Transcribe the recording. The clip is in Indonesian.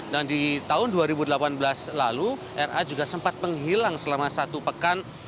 dan di tahun dua ribu delapan belas lalu ra juga sempat menghilang selama satu pekan